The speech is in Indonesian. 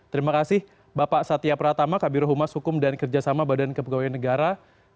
terima kasih bapak satya pratama kabir huma sukum dan kerjasama badan kepegawaian negara